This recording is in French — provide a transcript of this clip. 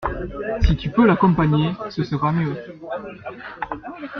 Si tu peux l'accompagner, ce sera mieux.